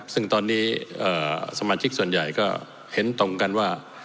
ซึ่งตอนนี้สมาชิกส่วนใหญ่ก็เห็นตรงกันว่า